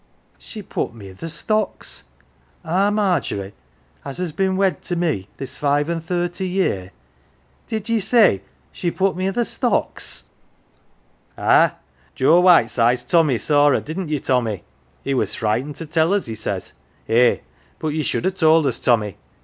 " She put me i' th' stocks ! Our Margery, as has been wed to me this five an' thirty year ! Did ye say she put me i' th' stocks ?" "Ah, Joe Whiteside's Tommy saw her didn't ye, Tommy? He was frightened to tell us, he says. Eh, but ye should ha' told us, Tommy.